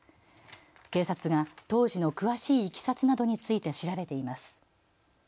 警察が当時の詳しいいきさつなどについて調べています。